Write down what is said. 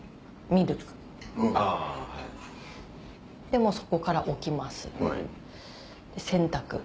でもうそこから起きますで洗濯。